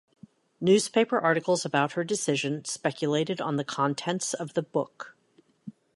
Newspaper articles about her decision speculated on the contents of the book.